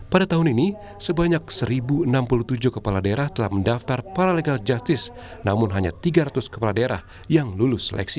pada tahun ini sebanyak satu enam puluh tujuh kepala daerah telah mendaftar para legal justice namun hanya tiga ratus kepala daerah yang lulus seleksi